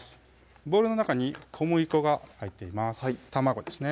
ボウルの中に小麦粉が入っています卵ですね